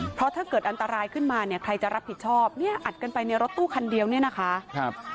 เพราะถ้าเกิดอันตรายขึ้นมาเนี่ยใครจะรับผิดชอบเนี่ยอัดกันไปในรถตู้คันเดียวเนี่ยนะคะ